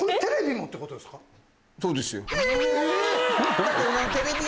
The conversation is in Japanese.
そうですよ。え！